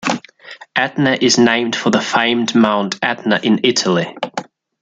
Etna is named for the famed Mount Etna in Italy.